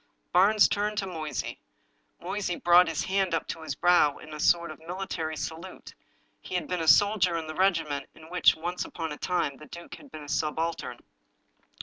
Barnes turned to Moysey. Moysey brought his hand up to his brow in a sort of military salute — he had been a soldier in the regiment in which, once upon a time, the duke had been a subaltern.